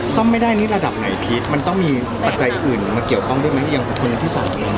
ซ่อมไม่ได้นี่ระดับไหนพีชมันต้องมีปัจจัยอื่นมาเกี่ยวข้องด้วยไหมอย่างบุคคลที่๓เอง